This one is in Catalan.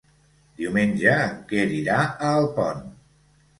Diumenge en Quer irà a Alpont.